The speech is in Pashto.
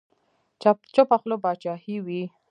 چپه خوله باچاهي وي.